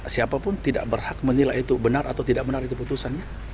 siapapun tidak berhak menilai itu benar atau tidak benar itu putusannya